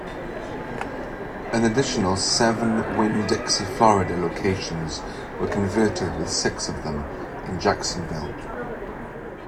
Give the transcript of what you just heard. An additional seven Winn-Dixie Florida locations were converted with six of them in Jacksonville.